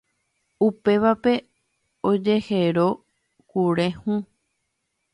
upévape ojehero kure hũ.